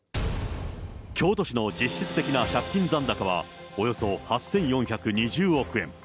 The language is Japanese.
京都市の実質的な借金残高は、およそ８４２０億円。